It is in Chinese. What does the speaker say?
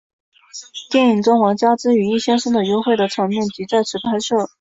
电影中王佳芝与易先生的幽会的场面即在此拍摄。